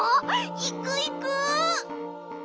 いくいく！